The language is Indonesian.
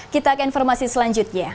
kita akan informasi selanjutnya